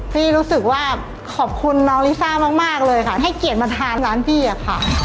พี่รู้สึกว่าขอบคุณน้องลิซ่ามากเลยค่ะให้เกียรติมาทานร้านพี่อะค่ะ